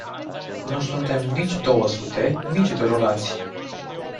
Nu suntem nici două sute, nici drogați.